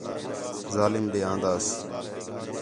ظالم ݙے آنداس